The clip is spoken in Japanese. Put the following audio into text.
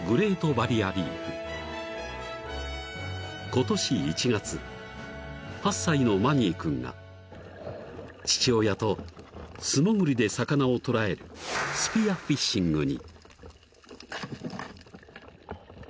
［今年１月８歳のマニィ君が父親と素潜りで魚を捕らえるスピアフィッシングに］